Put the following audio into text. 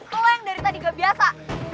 kalo yang dari tadi gak biasa